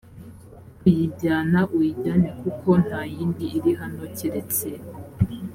kuyijyana uyijyane kuko nta yindi iri hano keretse